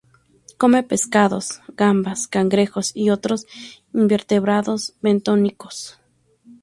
Come pescados, gambas, cangrejos y otros invertebrados bentónicos.